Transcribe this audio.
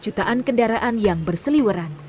jutaan kendaraan yang berseliweran